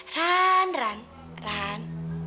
ran ran ran